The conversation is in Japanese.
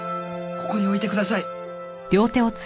ここに置いてください！